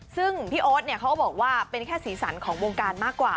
ซึ่งพี่โอ๊ตเขาก็บอกว่าเป็นแค่สีสันของวงการมากกว่า